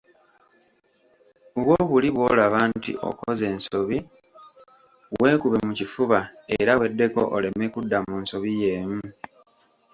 Bwo buli lw'olaba nti okoze ensobi weekube mu kifuba era weddeko oleme kudda mu nsobi yeemu.